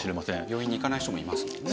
病院に行かない人もいますもんね。